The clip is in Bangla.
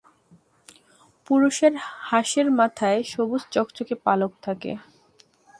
পুরুষের হাঁসের মাথায় সবুজ চকচকে পালক থাকে।